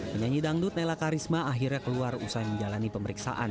penyanyi dangdut nela karisma akhirnya keluar usai menjalani pemeriksaan